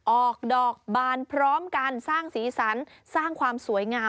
ออกดอกบานพร้อมกันสร้างสีสันสร้างความสวยงาม